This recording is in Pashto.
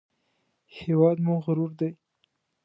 هېواد مو غرور دی